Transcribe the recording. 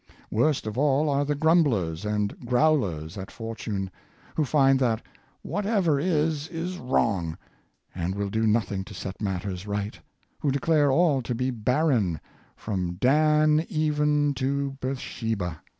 Worst of all are the grumblers and growlers at for tune— who find that " whatever is is wrong," and will do nothing to set matters right — who declare all to be barren, " from Dan even to Beersheba."